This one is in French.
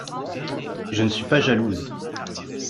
Je ne suis pas jalouse.